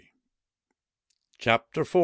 CHAPTER IV.